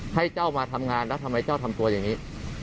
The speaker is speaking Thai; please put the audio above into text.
ให้เจ้ามาทำงานแล้วทำไมเจ้าทำตัวอย่างนี้